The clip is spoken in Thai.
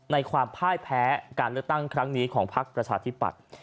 ความพ่ายแพ้การเลือกตั้งครั้งนี้ของพักประชาธิปัตย์